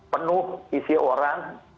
penuh isi orang